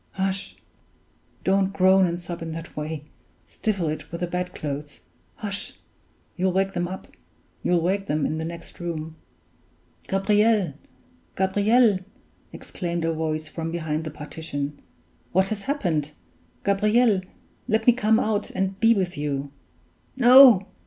hush! Don't groan and sob in that way! Stifle it with the bedclothes. Hush! you'll wake them in the next room!" "Gabriel Gabriel!" exclaimed a voice from behind the partition. "What has happened? Gabriel! let me come out and be with you!" "No!